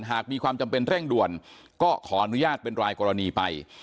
หากมีความจำเป็นเร่งด่วนก็ขออนุญาตเป็นรายกรณีไป